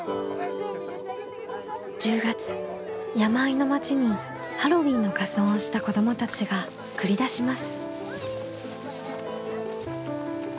１０月山あいの町にハロウィーンの仮装をした子どもたちが繰り出します。